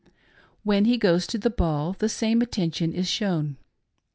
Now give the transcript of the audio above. When he goes to the ball, the same special attention is shown.